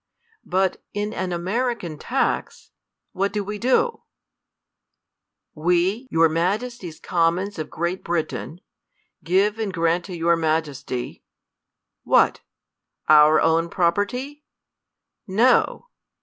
But in an American" tax, what do we do ? We, your Majesty's Commons of Great Britain, give and grant to your Majesty, what? our own property? No.